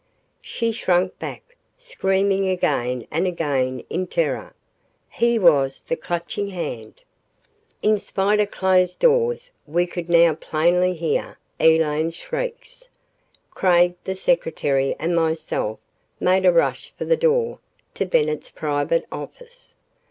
She shrank back, screaming again and again in terror. He WAS the Clutching Hand! ........ In spite of closed doors, we could now plainly hear Elaine's shrieks. Craig, the secretary and myself made a rush for the door to Bennett's private office.